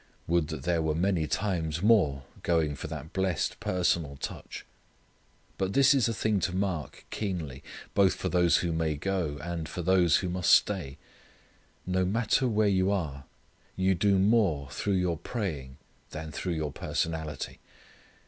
Would that there were many times more going for that blessed personal touch. But this is the thing to mark keenly both for those who may go, and for those who must stay: no matter where you are you do more through your praying than through your personality.